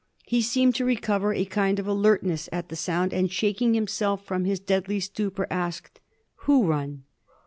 He seemed to recover a kind of alertness at the sound, and shaking himself from his deadly stupor, asked, " Who run